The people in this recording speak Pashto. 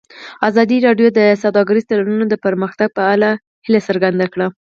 ازادي راډیو د سوداګریز تړونونه د پرمختګ په اړه هیله څرګنده کړې.